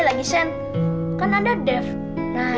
aduh ini biasanya mah kalau ada burukan on bintang